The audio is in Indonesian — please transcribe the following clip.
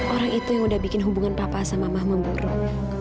orang itu yang udah bikin hubungan papa sama mah memburuk